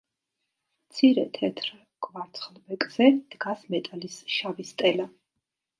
მცირე თეთრ კვარცხლბეკზე დგას მეტალის შავი სტელა.